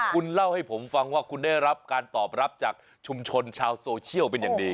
คุณเล่าให้ผมฟังว่าคุณได้รับการตอบรับจากชุมชนชาวโซเชียลเป็นอย่างดี